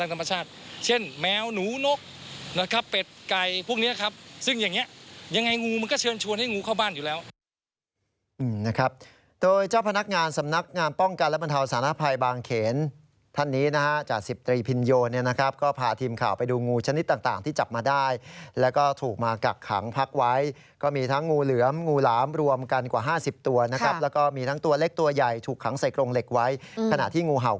นะครับโดยเจ้าพนักงานสำนักงานป้องกันและบรรเทาสารภัยบางเขนท่านนี้นะฮะจากสิบตรีพินโยนเนี่ยนะครับก็พาทีมข่าวไปดูงูชนิดต่างที่จับมาได้แล้วก็ถูกมากักขังพักไว้ก็มีทั้งงูเหลือมงูหลามรวมกันกว่าห้าสิบตัวนะครับแล้วก็มีทั้งตัวเล็กตัวใหญ่ถูกขังใส่กรงเหล็กไว้ขณะที่งูเห